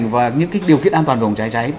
và những điều kiện an toàn về phòng cháy